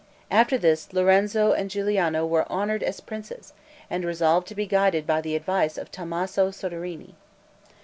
After this, Lorenzo and Guiliano were honored as princes, and resolved to be guided by the advice of Tommaso Soderini.